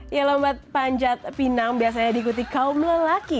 ya lombat panjat pinang biasanya diikuti kaum lelaki